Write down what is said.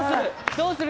どうする？